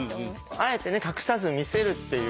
あえてね隠さず見せるっていう。